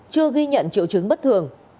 chưa ghi nhận triệu chứng bất thường